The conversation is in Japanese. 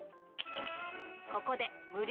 ここで無料